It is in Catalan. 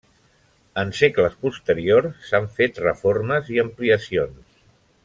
En segles posteriors s'han fet reformes i ampliacions.